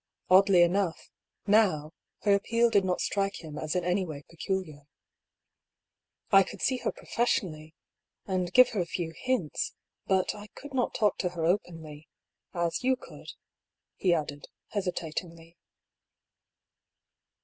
Oddly enough, now, her appeal did not strike him as in any way peculiar. " I could see her professionally, and give her a few hints ; .but I could not talk to her openly, as you could," he added, hesitatingly.